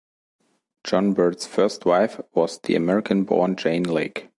John Birt's first wife was the American-born Jane Lake.